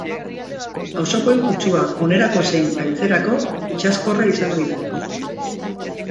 Auzokoen kutsua, onerako zein gaitzerako, itsaskorra izan ohi da.